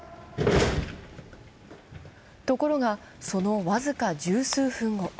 ところが、その僅か十数分後。